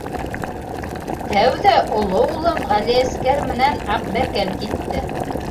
Тәүҙә оло улым Ғәлиәскәр менән Аҡбәкәл китте.